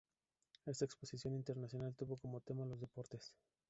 Esta exposición internacional tuvo como tema los deportes.